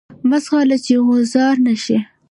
مه ځغله چی غوځار نه شی.